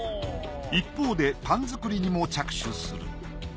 一方でパン作りにも着手する。